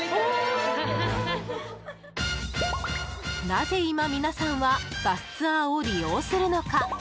なぜ今、皆さんはバスツアーを利用するのか？